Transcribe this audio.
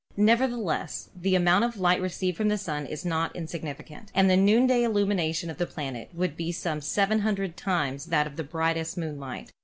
Nevertheless, the amount of light received from the Sun is not insignificant, and the noonday illumination of the planet would be some 700 times that of brightest moonlight.